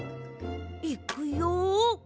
いくよ？